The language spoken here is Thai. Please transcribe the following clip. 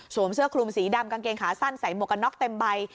เสื้อคลุมสีดำกางเกงขาสั้นใส่หมวกกันน็อกเต็มใบ